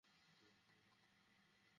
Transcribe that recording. বেশ, আমার দিকে দেখুন।